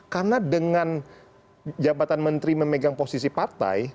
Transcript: karena dengan jabatan menteri memegang posisi partai